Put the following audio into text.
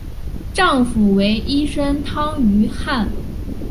丈夫为医生汤于翰。